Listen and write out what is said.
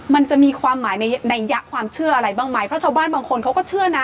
มันจะมีความหมายในนัยยะความเชื่ออะไรบ้างไหมเพราะชาวบ้านบางคนเขาก็เชื่อนะ